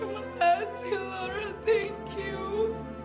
terima kasih laura thank you